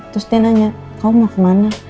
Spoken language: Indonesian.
terus dia nanya kau mau kemana